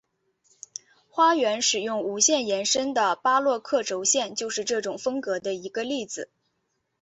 花园使用无限延伸的巴洛克轴线就是这种风格的一个例子。